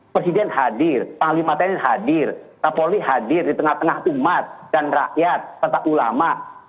presiden hadir panglima tni hadir kapolri hadir di tengah tengah umat dan rakyat serta ulama